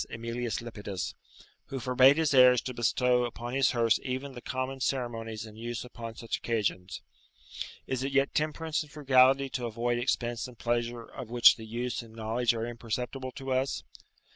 Emilius Lepidus, who forbade his heirs to bestow upon his hearse even the common ceremonies in use upon such occasions. Is it yet temperance and frugality to avoid expense and pleasure of which the use and knowledge are imperceptible to us?